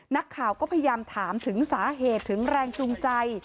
นักข่าวก็พยายามถามถึงสาเหตุถึงแรงจูงใจ